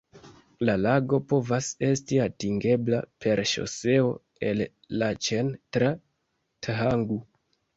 La lago povas esti atingebla per ŝoseo el Laĉen tra Thangu.